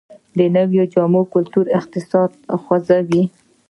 د نویو جامو کلتور اقتصاد خوځوي